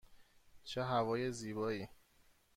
چه هوای زیبایی!